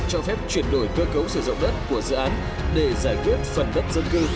cho phép chuyển đổi cơ cấu sử dụng đất của dự án để giải quyết phần đất dân cư